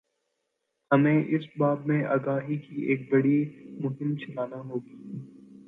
ہمیں اس باب میں آگاہی کی ایک بڑی مہم چلانا ہو گی۔